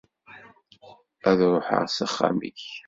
Ad ruḥeɣ s axxam-ik.